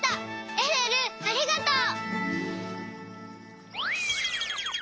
えるえるありがとう。